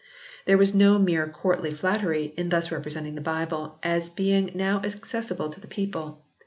There was no mere courtly flattery in thus representing the Bible as being now accessible to the people.